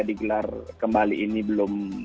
digelar kembali ini belum